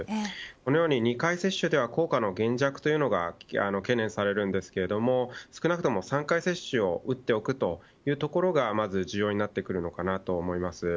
このように２回接種では効果の減弱が懸念されますが少なくとも３回接種を打っておくというところが重要になってくるのかと思います。